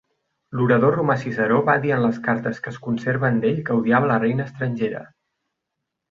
L'orador romà Ciceró va dir en les cartes que es conserven d'ell que odiava la reina estrangera.